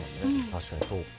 確かにそうか。